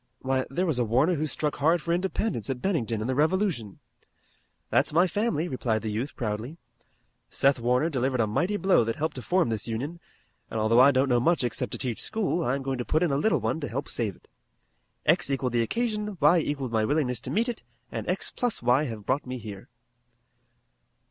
"Why, there was a Warner who struck hard for independence at Bennington in the Revolution." "That's my family," replied the youth proudly. "Seth Warner delivered a mighty blow that helped to form this Union, and although I don't know much except to teach school I'm going to put in a little one to help save it. X equalled the occasion, y equalled my willingness to meet it, and x plus y have brought me here."